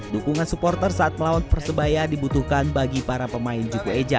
dukungan supporter saat melawan persebaya dibutuhkan bagi para pemain juku eja